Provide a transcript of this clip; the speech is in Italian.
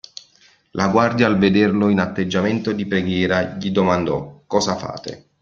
La guardia al vederlo in atteggiamento di preghiera gli domandò: "Cosa fate?".